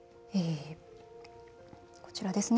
こちらですね。